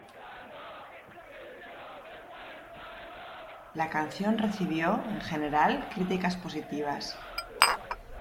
La canción recibió, en general, críticas positivas.